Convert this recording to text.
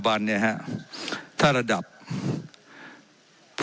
เจ้าหน้าที่ของรัฐมันก็เป็นผู้ใต้มิชชาท่านนมตรี